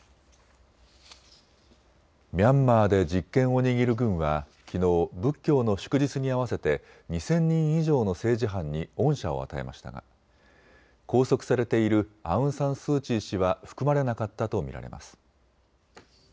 ミャンマーで実権を握る軍はきのう仏教の祝日に合わせて２０００人以上の政治犯に恩赦を与えましたが拘束されているアウン・サン・スー・チー氏は含まれなかったと見られます。